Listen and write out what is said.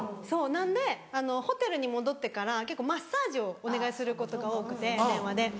そうなのでホテルに戻ってから結構マッサージをお願いすることが多くて電話で。